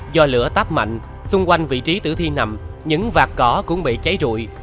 do lửa táp mạnh xung quanh vị trí tử thi nằm những vạt cỏ cũng bị cháy rụi